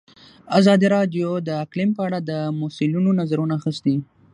ازادي راډیو د اقلیم په اړه د مسؤلینو نظرونه اخیستي.